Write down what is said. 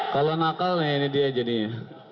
kalau nakal ya ini dia jadinya